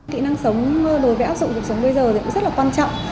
kỹ năng sống đối với áp dụng cuộc sống bây giờ thì cũng rất là quan trọng